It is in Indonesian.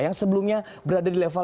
yang sebelumnya berada di level lima puluh